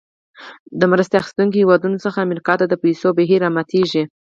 د مرسته اخیستونکو هېوادونو څخه امریکا ته د پیسو بهیر راماتیږي.